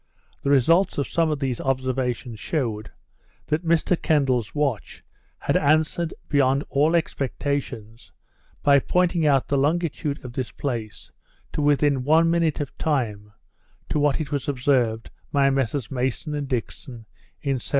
The result of some of these observations shewed, that Mr Kendal's watch had answered beyond all expectation, by pointing out the longitude of this place to within one minute of time to what it was observed by Messrs Mason and Dixon in 1761.